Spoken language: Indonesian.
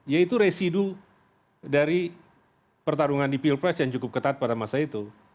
yaitu residu dari pertarungan di pilpres yang cukup ketat pada masa itu